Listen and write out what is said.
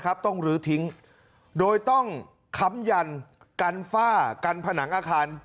ต้องลื้อทิ้งโดยต้องค้ำยันกันฝ้ากันผนังอาคาร